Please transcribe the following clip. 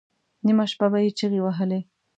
نیمه شپه به یې چیغې وهلې.